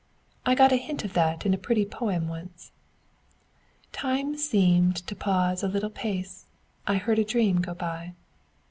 I got a hint of that in a pretty poem once "'Time seemed to pause a little pace, I heard a dream go by.'"